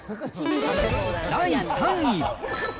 第３位。